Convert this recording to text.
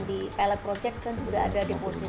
di pilot project kan sudah ada deposit